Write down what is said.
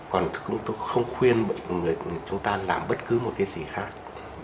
còn cũng không khuyên chúng ta làm bất cứ một cái gì khác